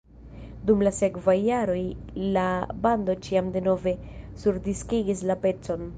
Dum la sekvaj jaroj la bando ĉiam denove surdiskigis la pecon.